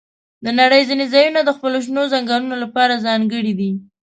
د نړۍ ځینې ځایونه د خپلو شنو ځنګلونو لپاره ځانګړي دي.